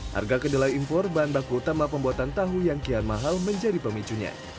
harga kedelai impor bahan baku utama pembuatan tahu yang kian mahal menjadi pemicunya